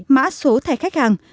mã số thẻ khách hàng